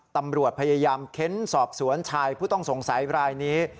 ตำรวจพยายามเค้นสอบสวนชายผู้ต้องสงสัยรายนี้